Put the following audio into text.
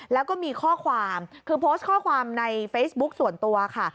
แล้วก็มีข้อความคือโพสต์ข้อความในเฟซบุ๊คส่วนตัวค่ะ